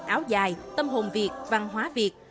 áo dài tâm hồn việt văn hóa việt